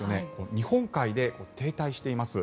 日本海で停滞しています。